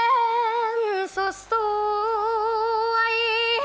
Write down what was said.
ได้มาเจอน้องแก้มสุดสวย